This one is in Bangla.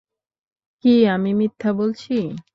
কি আমি মিথ্যা বলছি?